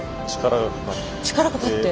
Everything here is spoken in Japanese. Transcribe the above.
力がかかって。